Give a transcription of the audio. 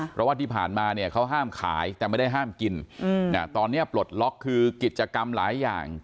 เพราะว่าที่ผ่านมาเนี่ยเขาห้ามขายแต่ไม่ได้ห้ามกินตอนนี้ปลดล็อกคือกิจกรรมหลายอย่าง